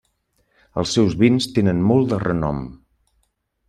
Els seus vins tenen molt de renom.